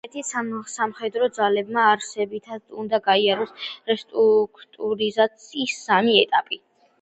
რუმინეთის სამხედრო ძალებმა არსებითად უნდა გაიაროს რესტრუქტურიზაციის სამი ეტაპი.